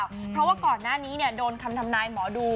เพราะว่าก่อนหน้านี้โดนคำทำนายหมอดู